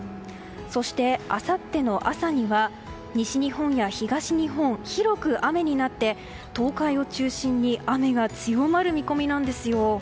そして、あさっての朝には西日本や東日本広く雨になって東海を中心に雨が強まる見込みなんです。